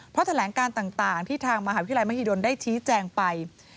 เพราะแถลงการต่างที่ทางมหาวิทยาลัยมหิดลได้ชี้แจงไป